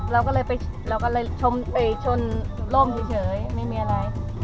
เราก็เลยชนโล่งเฉยไม่มีอะไร